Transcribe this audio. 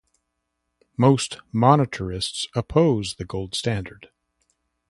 Most monetarists oppose the gold standard.